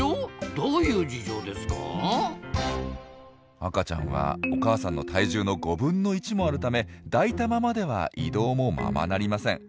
赤ちゃんはお母さんの体重の５分の１もあるため抱いたままでは移動もままなりません。